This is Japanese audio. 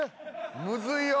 むずいよ。